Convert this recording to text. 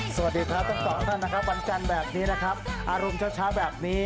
สวัสดีครับทั้ง๒ท่านนะครับวันจันทร์แบบนี้นะครับอารมณ์เฉ